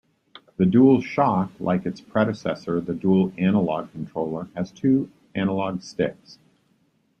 The DualShock, like its predecessor the Dual Analog controller, has two analog sticks.